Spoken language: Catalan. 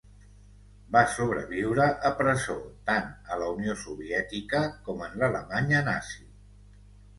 Va sobreviure a presó, tant a la Unió Soviètica com en l'Alemanya nazi.